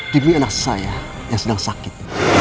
demi anak saya yang sedang sakit